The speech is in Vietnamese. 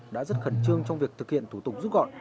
đã rất khẩn trương trong việc thực hiện tố tụng rút gọn